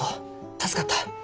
助かった。